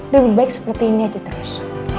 lebih baik seperti ini aja terus